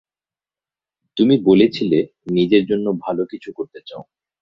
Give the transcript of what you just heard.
তুমি বলেছিলে, নিজের জন্য ভালো কিছু করতে চাও।